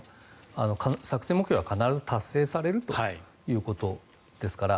作戦目標は必ず達成されるということですから。